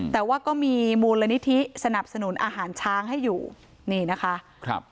แต่ว่าก็มีมูลนิธิสนับสนุนอาหารช้างให้อยู่นี่นะคะครับ